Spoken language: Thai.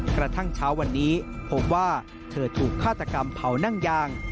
กระทั่งเช้าวันนี้พบว่าเธอถูกฆาตกรรมเผานั่งยาง